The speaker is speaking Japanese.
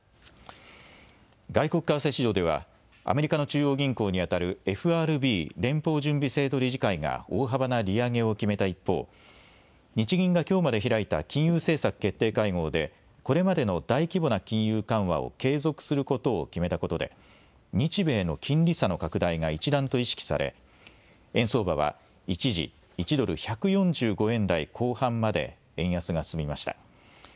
外国為替市場ではアメリカの中央銀行にあたるＦＲＢ・連邦準備制度理事会が大幅な利上げを決めた一方、日銀がきょうまで開いた金融政策決定会合でこれまでの大規模な金融緩和を継続することを決めたことで日米の金利差の拡大が一段と意識され円相場は一時、１ドル１４５円台後半まで円安が進みました。